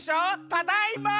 ただいま！